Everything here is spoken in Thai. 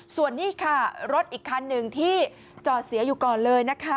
ส่วนนี้ค่ะรถอีกคันหนึ่งที่จอดเสียอยู่ก่อนเลยนะคะ